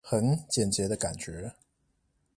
很簡潔的感覺